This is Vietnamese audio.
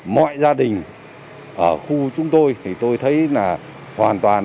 mọi gia đình ở khu chúng tôi thì tôi thấy là hoàn toàn